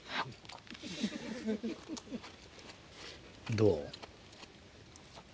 どう？